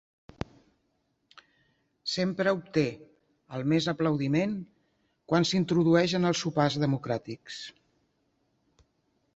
Sempre obté el més aplaudiment quan s'introdueix en els sopars democràtics.